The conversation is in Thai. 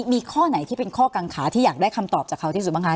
มีข้อไหนที่เป็นข้อกังขาที่อยากได้คำตอบจากเขาที่สุดบ้างคะ